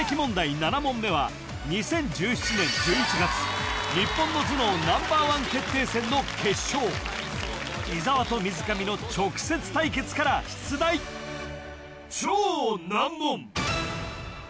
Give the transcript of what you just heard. ７問目は２０１７年１１月日本の頭脳Ｎｏ．１決定戦の決勝伊沢と水上の直接対決から出題超難問